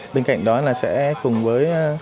bên cạnh đó là sẽ cùng với